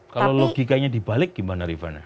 kalau logikanya dibalik gimana rifana